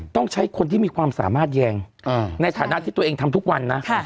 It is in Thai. ต้องใช้คนที่มีความสามารถแยงในฐานะที่ตัวเองทำทุกวันนะ